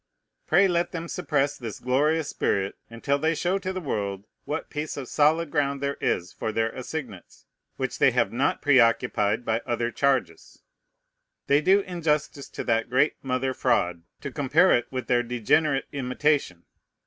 Pray let them suppress this glorious spirit, until they show to the world what piece of solid ground there is for their assignats, which they have not preoccupied by other charges. They do injustice to that great mother fraud, to compare it with their degenerate imitation.